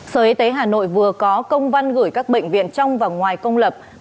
sở y tế hà nội vừa có công văn gửi các bệnh viện trong và ngoài công lập